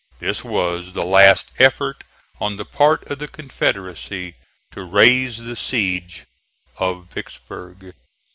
This was the last effort on the part of the Confederacy to raise the siege of Vicksburg.